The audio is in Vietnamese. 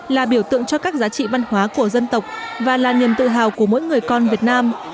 là biểu tượng cho các giá trị văn hóa của dân tộc và là niềm tự hào của mỗi người con việt nam